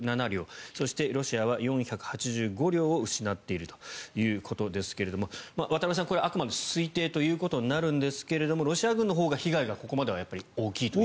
そして、ロシアは４８５両を失っているということですが渡部さん、あくまでこれは推定ということになるんですがロシア軍のほうが被害はここまで大きいと。